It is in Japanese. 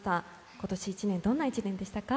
今年１年、どんな１年でしたか？